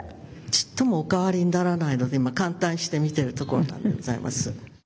ちっともお変わりにならないので今感嘆して見てるところなんでございます。